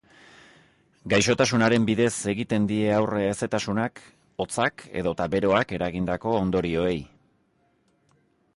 Gaixotasunen bidez egiten die aurre hezetasunak, hotzak edota beroak eragindako ondorioei.